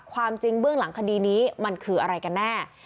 ความจริงเบื้องหลังคดีนี้มันคืออะไรกันแน่